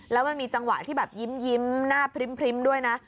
แล้วมันมีจังหวะที่แบบยิ้มหน้าพริ้มด้วยนะ